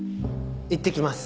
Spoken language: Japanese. いってきます。